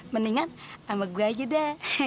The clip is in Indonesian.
mendingan sama gua aja dah